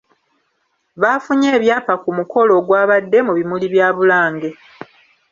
Baafunye ebyapa ku mukolo ogwabadde mu bimuli bya Bulange.